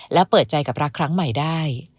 และเปิดใจกับรักครั้งใหม่ได้